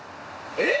えっ！？